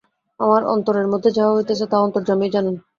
আমার অন্তরের মধ্যে যাহা হইতেছে তাহা অন্তর্যামীই জানেন।